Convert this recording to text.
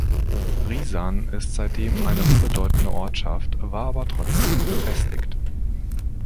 Risan ist seitdem eine unbedeutende Ortschaft, war aber trotzdem befestigt.